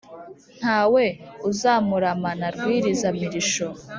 nta we uzamuramana rwiriza-mirisho.